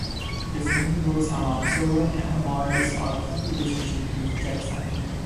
The film revolves around Zora and her mother's rocky relationship with Jackson.